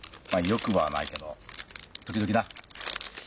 「よく」はないけど時々な。